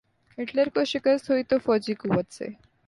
Hitler کو شکست ہوئی تو فوجی قوت سے۔